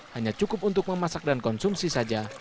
hanya cukup untuk memasak dan konsumsi saja